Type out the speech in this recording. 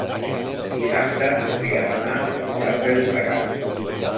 dissabte hauria d'anar al Prat de Llobregat.